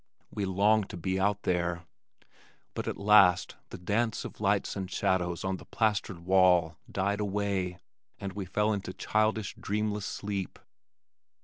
We longed to be out there, but at last the dance of lights and shadows on the plastered wall died away, and we fell into childish dreamless sleep.